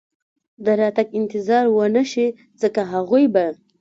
د راتګ انتظار و نه شي، ځکه هغوی به.